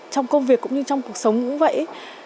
trong công việc cũng như trong cuộc sống cũng vậy